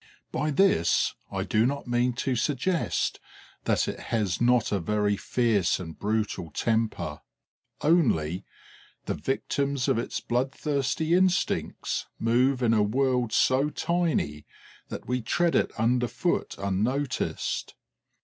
By this I do not mean to suggest that it has not a very fierce and brutal temper; only, the victims of its bloodthirsty instincts move in a world so tiny that we tread it under foot unnoticed.